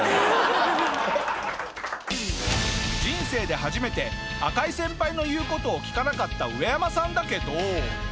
人生で初めて赤井先輩の言う事を聞かなかったウエヤマさんだけど。